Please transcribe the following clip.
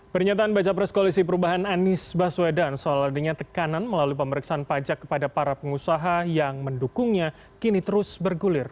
pernyataan baca pres koalisi perubahan anies baswedan soal adanya tekanan melalui pemeriksaan pajak kepada para pengusaha yang mendukungnya kini terus bergulir